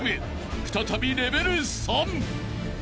［再びレベル３］